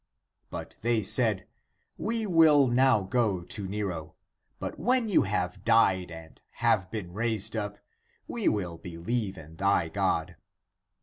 But they said, " We will now go to Nero, but when you have died and have been raised up, we will believe in thy God."